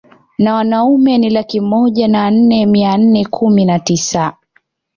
Na wanaume ni laki moja na nne mia nne kumi na tisa